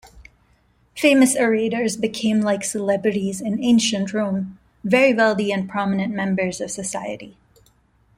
Famous orators became like celebrities in ancient Rome-very wealthy and prominent members of society.